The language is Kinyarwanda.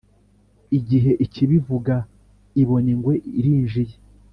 igihe ikibivuga, ibona ingwe irinjiye.